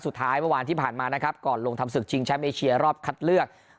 สุดท้ายเมื่อวานที่ผ่านมานะครับก่อนลงทำศึกชิงแชมป์เอเชียรอบคัดเลือก